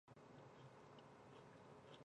军舰加古的名称来源于兵库县的。